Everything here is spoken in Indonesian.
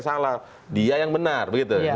salah dia yang benar